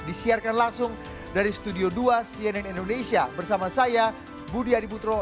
disiarkan langsung dari studio dua cnn indonesia bersama saya budi adiputro